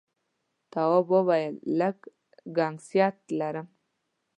تواب وويل: لږ گنگسیت لرم.